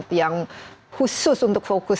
sudah ada dewan yang khusus untuk formasi ekonomi